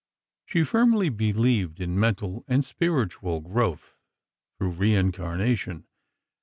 She firmly believed in mental and spiritual growth through reincarnation.